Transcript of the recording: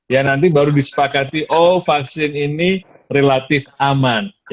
ya nanti baru disepakati oh vaksin ini relatif aman